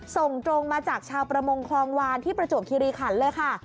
ส่งตรงมาจากชาวประมงคลองวานที่ประจวบคิริขันเลยค่ะ